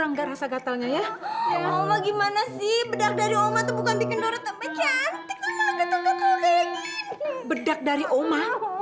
aduh tolongin dong dora